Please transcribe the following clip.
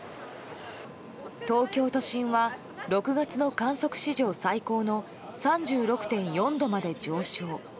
東京都心は６月の観測史上最高の３６．４度まで上昇。